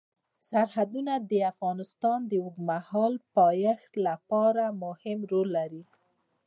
سرحدونه د افغانستان د اوږدمهاله پایښت لپاره مهم رول لري.